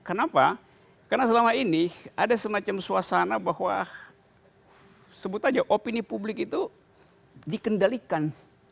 kenapa karena selama ini ada semacam suasana bahwa sebut aja opini publik itu dikendalikan